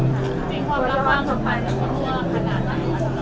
มีความระวังสมภัยกับพี่ตัวขนาดไหนค่ะ